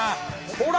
ほら！